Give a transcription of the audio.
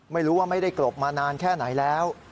ไม่รู้ว่าไม่ได้กลบมานานแค่ไหนแล้ว